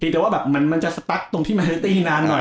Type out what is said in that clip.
แต่ว่ามันจะสปรักตรงที่แมนเซสเตอร์ซิตี้นานหน่อย